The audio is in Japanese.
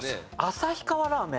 旭川ラーメン。